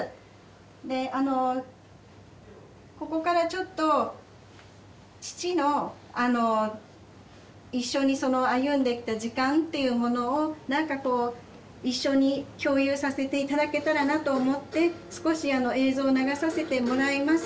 であのここからちょっと父のあの一緒にその歩んできた時間っていうものをなんかこう一緒に共有させて頂けたらなと思って少しあの映像を流させてもらいます。